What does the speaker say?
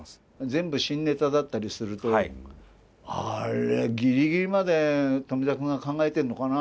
全部新ネタだったりするとあれギリギリまで富澤君が考えてんのかな？